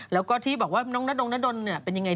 แล้วก็ที่บอกว่าน้องน้าดนน้าดนเป็นอย่างไร